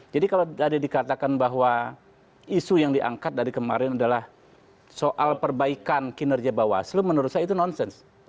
jadi kalau tadi dikatakan bahwa isu yang diangkat dari kemarin adalah soal perbaikan kinerja mba waslu menurut saya itu nonsens